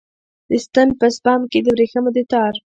د ستن په سپم کې د وریښمو د تار